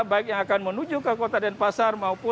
baik yang akan menuju ke kota denpasar